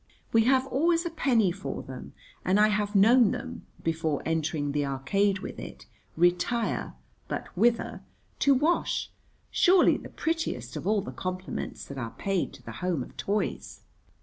We have always a penny for them, and I have known them, before entering the Arcade with it, retire (but whither?) to wash; surely the prettiest of all the compliments that are paid to the home of toys.